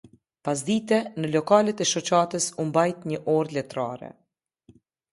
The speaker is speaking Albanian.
Pasdite, në lokalet e Shoqatës u mbajt një orë letrare.